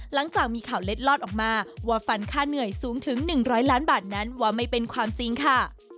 หลังจากมีข่าวเล็ดลอดออกมาว่าฟันค่าเหนื่อยสูงถึง๑๐๐ล้านบาทนั้นว่าไม่เป็นความจริงค่ะ